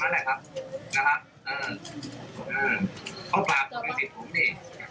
เมาะป๊าก็ปรากศิษย์ผมเนี่ย